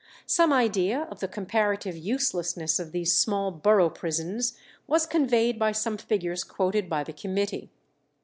Some idea of the comparative uselessness of these small borough prisons was conveyed by some figures quoted by the committee.